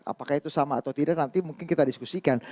apakah itu sama atau tidak nanti mungkin kita diskusikan